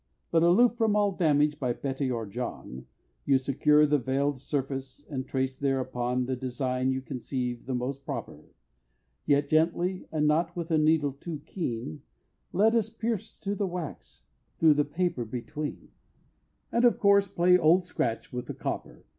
But aloof from all damage by Betty or John, You secure the veil'd surface, and trace thereupon The design you conceive the most proper: Yet gently, and not with a needle too keen, Lest it pierce to the wax through the paper between, And of course play Old Scratch with the copper.